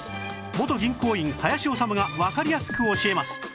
元銀行員林修がわかりやすく教えます